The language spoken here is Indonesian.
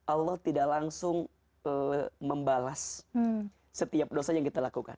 allah tidak langsung membalas setiap dosa yang kita lakukan